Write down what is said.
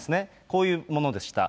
こういうものでした。